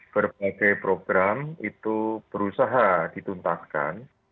berbagai program itu berusaha dituntaskan